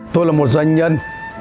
tôi là một doanh nhân